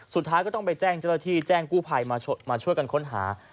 สุดท้ายก็ต้องไปแจ้งเจ้าหน้าที่แจ้งกู้ภัยมาช่วยกันค้นหา